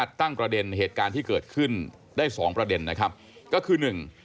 ร้องร้องร้องร้องร้องร้องร้อง